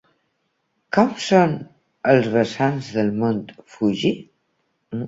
Com són els vessants del mont Fuji?